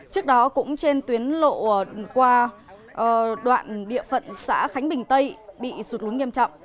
trước đó cũng trên tuyến lộ qua đoạn địa phận xã khánh bình tây bị sụt lún nghiêm trọng